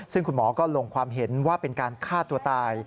ซึ่งคุณหมอก็ลงความเห็นว่าเป็นการฆ่าตัวตาย